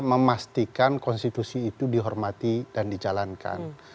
memastikan konstitusi itu dihormati dan dijalankan